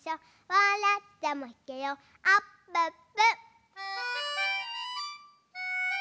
「わらったらまけよあっぷっぷ！」